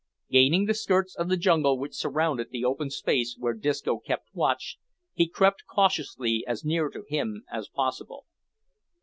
Gaining the skirts of the jungle which surrounded the open space where Disco kept watch, he crept cautiously as near to him as possible.